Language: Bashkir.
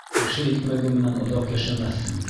Кеше икмәге менән оҙаҡ йәшәмәҫһең